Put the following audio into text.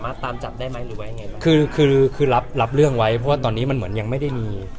อย่าทำหน้าหยุดทำหน้าเลย